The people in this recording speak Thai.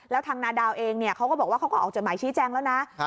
แล้วทางนาดาวเองเขาก็บอกว่าเขาก็ออกจดหมายชี้แจงแล้วนะ